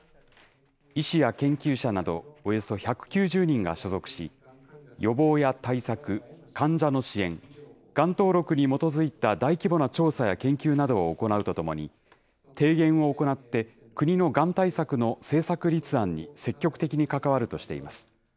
医師や研究者などおよそ１９０人が所属し、予防や対策、患者の支援、がん登録に基づいた大規模な調査や研究などを行うとともに、提言を行って、国のがん対策の政策立案に積極的に関わるとしています。